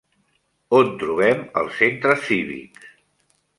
On trobem els centres cívics?